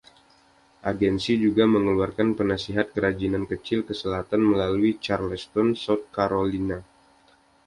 Agensi juga mengeluarkan penasihat kerajinan kecil ke selatan melalui Charleston, South Carolina.